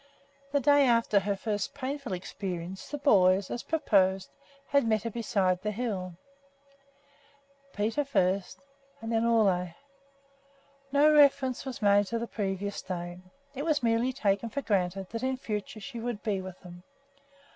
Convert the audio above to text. The day after her first painful experiences the boys, as proposed, had met her behind the hill, Peter first and then Ole. No reference was made to the previous day; it was merely taken for granted that in future she would be with them.